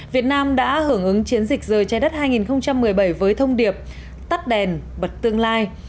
việt nam đã hưởng ứng chiến dịch rời trái đất hai nghìn một mươi bảy với thông điệp tắt đèn bật tương lai